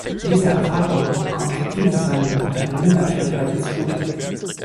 Diese Erfahrung kommt ihm und seinem Unternehmen natürlich heute zugute.